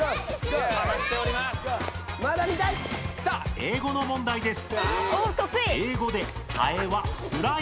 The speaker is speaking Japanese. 英語の問題です。